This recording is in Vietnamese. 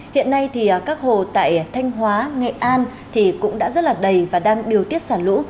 hiện nay thì các hồ tại thanh hóa nghệ an cũng đã rất là đầy và đang điều tiết xả lũ